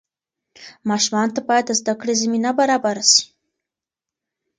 ماشومانو ته باید د زده کړې زمینه برابره سي.